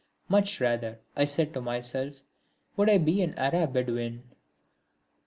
Much rather, I said to myself, would I be an Arab Bedouin!